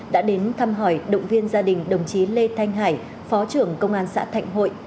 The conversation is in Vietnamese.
đã đến thăm hỏi động viên gia đình đồng chí lê thanh hải phó trưởng công an xã thạnh hội